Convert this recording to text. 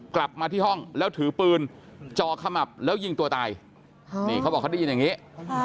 กลับมาที่ห้องแล้วถือปืนจ่อขมับแล้วยิงตัวตายนี่เขาบอกเขาได้ยินอย่างนี้